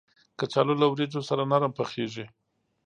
کچالو له وریجو سره نرم پخېږي